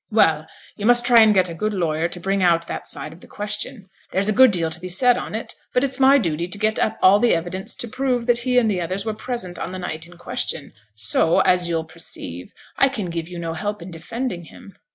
'Well; you must try and get a good lawyer to bring out all that side of the question. There's a good deal to be said on it; but it's my duty to get up all the evidence to prove that he and others were present on the night in question; so, as you'll perceive, I can give you no help in defending him.'